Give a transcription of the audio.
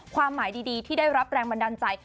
ความหมายดีที่ได้รับแรงบันดาลใจ